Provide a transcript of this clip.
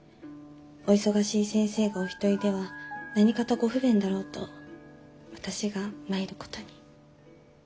お忙しい先生がお一人では何かとご不便だろうと私が参ることに。